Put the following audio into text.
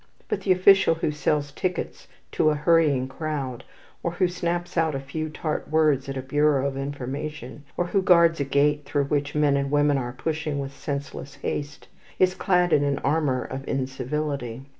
But the official who sells tickets to a hurrying crowd, or who snaps out a few tart words at a bureau of information, or who guards a gate through which men and women are pushing with senseless haste, is clad in an armour of incivility.